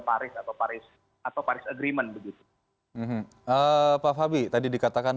jadi itu adalah kebijakan dari negara negara g dua puluh yang menyebutkan